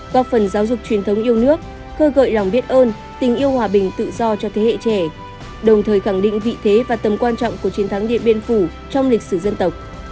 góp phần giáo dục truyền thống yêu nước khơi gợi lòng biết ơn tình yêu hòa bình tự do cho thế hệ trẻ đồng thời khẳng định vị thế và tầm quan trọng của chiến thắng điện biên phủ trong lịch sử dân tộc